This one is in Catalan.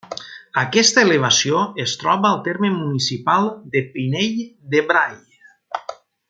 Aquesta elevació es troba al terme municipal de Pinell de Brai.